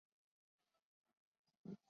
苏士润之侄。